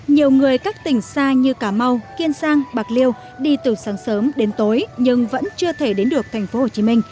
nhiều người các tỉnh xa như cà mau kiên giang bạc liêu đi từ sáng sớm đến tối nhưng vẫn chưa thể đến được tp hcm